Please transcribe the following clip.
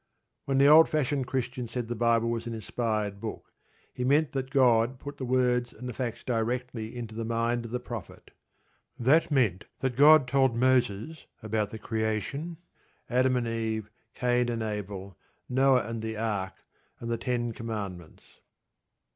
When the old fashioned Christian said the Bible was an inspired book, he meant that God put the words and the facts directly into the mind of the prophet. That meant that God told Moses about the creation, Adam and Eve, Cain and Abel, Noah and the Ark, and the Ten Commandments.